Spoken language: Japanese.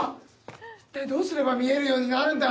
一体どうすれば見えるようになるんだ！